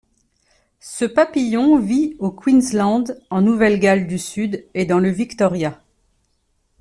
Ce papillon vit au Queensland, en Nouvelle-Galles du Sud et dans le Victoria.